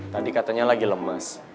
tadi katanya lagi lemes